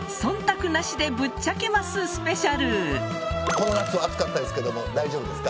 この夏は暑かったですけども大丈夫ですか？